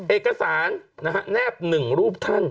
เอกสารนะครับแนบหนึ่งรูปท่าน